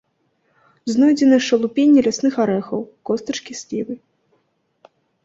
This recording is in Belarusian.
Знойдзены шалупінне лясных арэхаў, костачкі слівы.